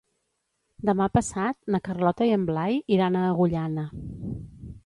Demà passat na Carlota i en Blai iran a Agullana.